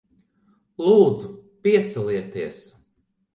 Lūdzu, piecelieties.